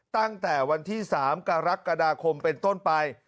ตั้งแต่วันที่๓กรกฎาคมเป็นต้นไป